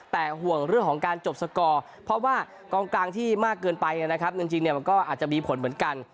แต่ห่วงเรื่องของการจบสกอร์เพราะว่ากองกลางที่มากเกินไปนะครับจริงมันก็อาจจะมีผลเหมือนกัน